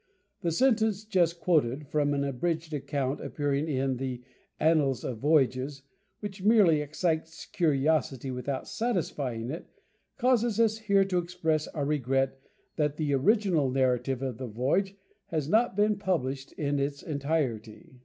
The sentence just quoted from an abridged account appearing in the "Annals of Voyages," which merely excites curiosity without satisfying it, causes us here to express our regret that the original narrative of the voyage has not been published in its entirety.